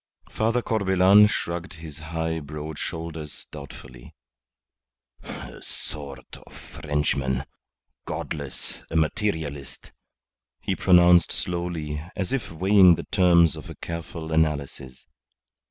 Father Corbelan shrugged his high, broad shoulders doubtfully. "A sort of Frenchman godless a materialist," he pronounced slowly, as if weighing the terms of a careful analysis.